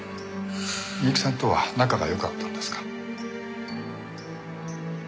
美雪さんとは仲が良かったんですか？